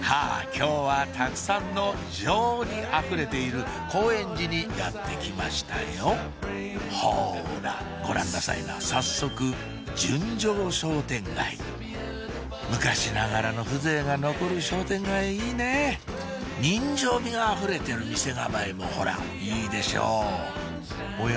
今日はたくさんの情にあふれている高円寺にやって来ましたよほらご覧なさいな早速純情商店街昔ながらの風情が残る商店街いいね人情味があふれてる店構えもほらいいでしょうおや？